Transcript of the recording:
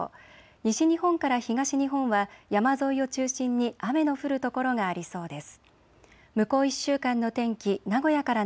西日本から東日本は山沿いを中心に雨の降る所がありそうです。